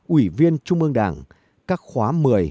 ủy viên trung ương đảng các khóa một mươi một mươi một một mươi hai